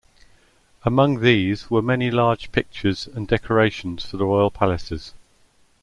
Among these were many large pictures and decorations for the royal palaces.